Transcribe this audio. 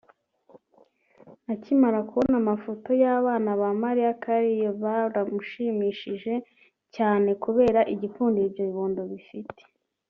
Akimara kubona amafoto y’abana ba Mariah Carey byaramushimishije cyane kubera igikundiro ibyo bibondo bifite